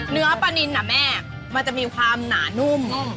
เนื้อปลานินนะแม่มันจะมีความหนานุ่ม